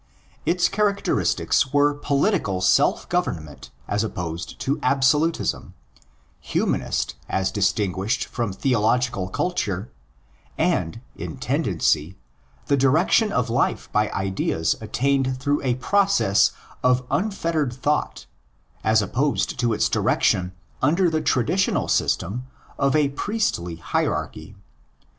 Its characteristics were political self government as opposed to absolutism, humanist as distinguished from theological culture, and (in tendency) the direction of life by ideas attained through a process of unfettered thought as opposed to its direction under the traditional system of a priestly hierarchy.